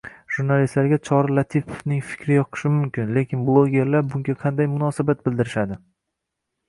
Jurnalistlarga Chori Latipovning fikri yoqishi mumkin, lekin bloggerlar bunga qanday munosabat bildirishadi?